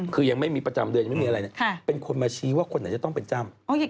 คือยังไม่มีประจำเดือนเป็นคนมาชี้ว่าคนไหนจะต้องเป็นจ้ำ